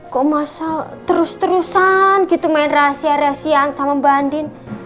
kok masalah terus terusan gitu main rahasia rahasiaan sama mbak andin